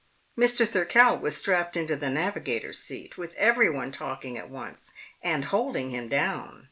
Mr. Thirkell was strapped into the navigator's seat, with everyone talking at once and holding him down.